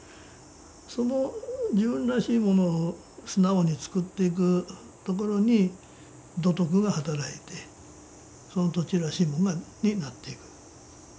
その自分らしいものを素直に作っていくところに土徳が働いてその土地らしいものになっていく。